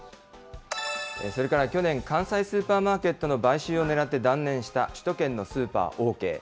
それから去年、関西スーパーマーケットの買収をねらって断念した首都圏のスーパー、オーケー。